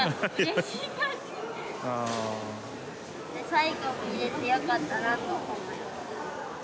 最後見れてよかったなと思います